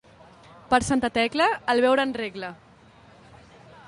Per Santa Tecla, el beure en regla.